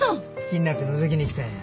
気になってのぞきに来たよ。